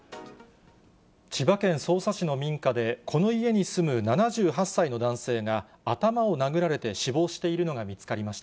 千葉県匝瑳市の民家で、この家に住む７８歳の男性が、頭を殴られて死亡しているのが見つかりました。